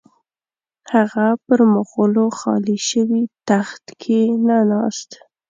هغه پر مغولو خالي شوي تخت کښې نه ناست.